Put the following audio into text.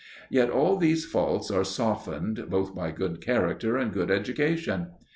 Yet all these faults are softened both by good character and good education.